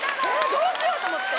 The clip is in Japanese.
・どうしよう！と思って。